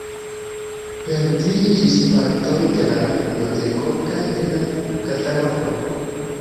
Perdiĝis partoj de la biblioteko kaj de la katalogoj.